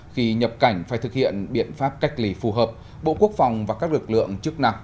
khi nhập cảnh phải thực hiện biện pháp cách lì phù hợp bộ quốc phòng và các lực lượng trước nặng